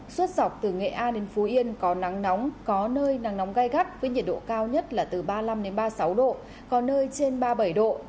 suốt dọc từ nghệ an đến phú yên có nắng nóng có nơi nắng nóng gai gắt với nhiệt độ cao nhất là từ ba mươi năm ba mươi sáu độ có nơi trên ba mươi bảy độ